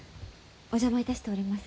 お邪魔いたしております。